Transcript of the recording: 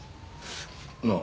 なあ。